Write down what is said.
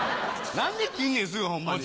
何で切んねんすぐホンマに。